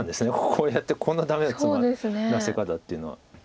こうやってこんなダメのツマらせ方っていうのは。